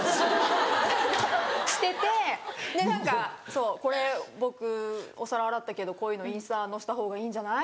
しててで何かそう「これ僕お皿洗ったけどこういうのインスタ載せた方がいいんじゃない？」。